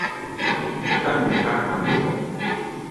ได้มูลค่างานรวม